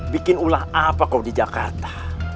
bikin ulah apa kok di jakarta